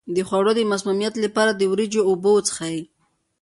د خوړو د مسمومیت لپاره د وریجو اوبه وڅښئ